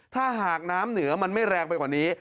ถ้าหากน้ำเหนือมันไม่แรงไปกว่านี้